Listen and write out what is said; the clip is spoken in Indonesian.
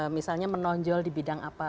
misalnya menonjol di bidang apa